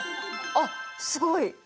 あっすごい。